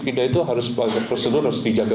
tidak itu harus prosedur harus dijaga